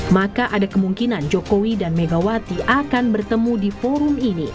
maka ada kemungkinan jokowi dan megawati akan bertemu di forum ini